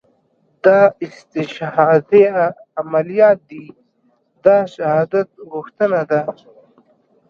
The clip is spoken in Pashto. دا استشهاديه عمليات دي دا شهادت غوښتنه ده.